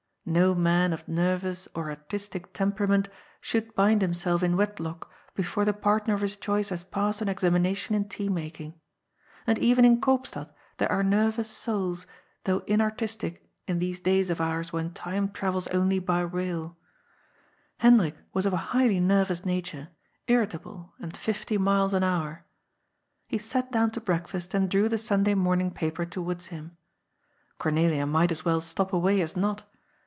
No man of nerrous or artistic temperament should bind himself in wedlock before the partner of his choice has passed an examination in tea making. And eyen in Koop stad there are neryous souls, though inartistic, in these days of ours when Time trayels only by raiL Hendrik was of a highly neryous nature, irritable and fifty miles an hour. He sat down to breakfast and drew the Sunday morning paper towards him. Cornelia might as well stop away as not.